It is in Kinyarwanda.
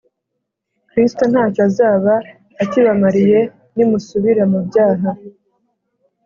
Kristo nta cyo azaba akibamariye nimusubira mu byaha